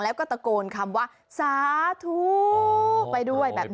แล้วก็ตะโกนคำว่าสาธุไปด้วยแบบนี้